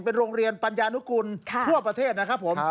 เป็นโรงเรียนปัญญานุกุลทั่วประเทศนะครับผม